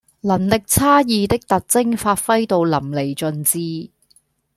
能力差異的特徵發揮到淋漓盡致